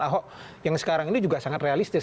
ahok yang sekarang ini juga sangat realistis